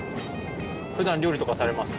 ふだん料理とかされます？